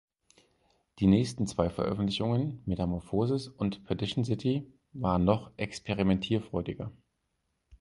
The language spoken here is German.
Die nächsten zwei Veröffentlichungen "Metamorphosis" und "Perdition City" waren noch experimentierfreudiger.